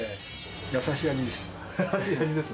優しい味ですよ。